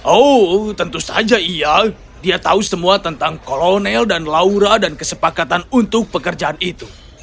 oh tentu saja iya dia tahu semua tentang kolonel dan laura dan kesepakatan untuk pekerjaan itu